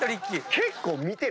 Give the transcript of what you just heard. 結構。